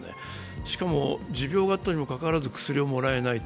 しかも持病があったにもかかわらず薬ももらえない。